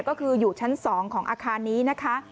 ก็คืออยู่ชั้น๒ของอาคารนี้นะคะ